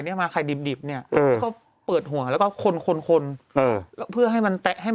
นักโดดีหรือละ